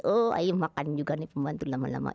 oh ayo makan juga nih pembantu lama lama